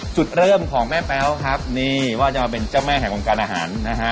จุดเริ่มของแม่แป๊วครับนี่ว่าจะมาเป็นเจ้าแม่แห่งวงการอาหารนะฮะ